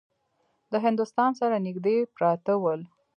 د هندوستان سره نیژدې پراته ول.